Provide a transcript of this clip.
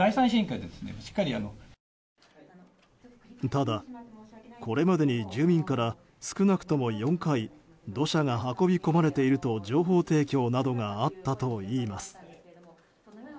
ただ、これまでに住民から少なくとも４回土砂が運び込まれていると情報提供などがあったといいます。